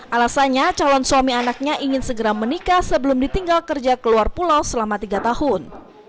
alasannya calon suami anaknya ingin segera menikah sebelum ditinggal kerja keluar pulau selama tiga tahun